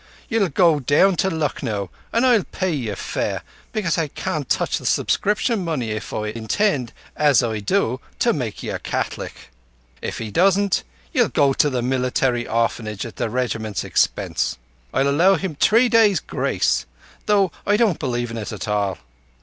—ye'll go down to Lucknow and I'll pay your fare, because I can't touch the subscription money if I intend, as I do, to make ye a Catholic. If he doesn't, ye'll go to the Military Orphanage at the Regiment's expense. I'll allow him three days' grace, though I don't believe it at all.